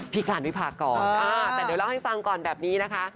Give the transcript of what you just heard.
พี่การพี่ภาคก่อนแต่เดี๋ยวเล่าให้ฟังก่อนแบบนี้นะคะ